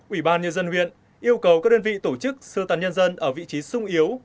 ủy ban nhân dân huyện yêu cầu các đơn vị tổ chức sưu tàn nhân dân ở vị trí sung yếu